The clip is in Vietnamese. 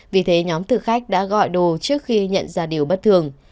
vì thế nhóm thực khách đã gọi đồ trước khi nhận ra điều bất thường